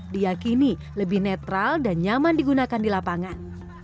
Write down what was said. diakini lebih netral dan nyaman digunakan di lapangan